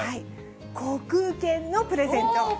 航空券のプレゼント。